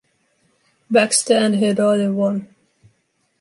Baxter and her daughter won.